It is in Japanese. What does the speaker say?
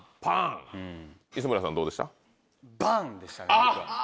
磯村さんどうでした？